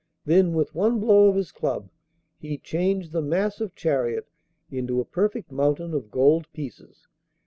Then, with one blow of his club, he changed the massive chariot into a perfect mountain of gold pieces.